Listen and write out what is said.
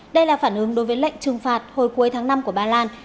đây là phản ứng đối với lệnh trừng phạt hồi cuối tháng năm của ba lan